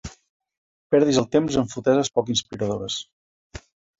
Perdis el temps en foteses poc inspiradores.